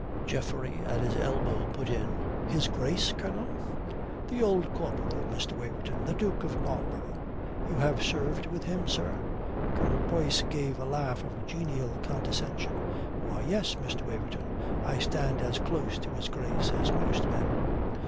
Geoffrey at his elbow put in, "'His Grace,' Colonel?" "The Old Corporal, Mr. Waverton. The Duke of Marlborough." "You have served with him, sir?" Colonel Boyce gave a laugh of genial condescension. "Why, yes, Mr. Waverton, I stand as close to His Grace as most men."